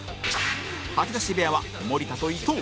吐き出し部屋は森田と伊藤